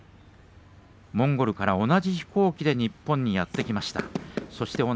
モンゴルから同じ飛行機で日本にやって来ました。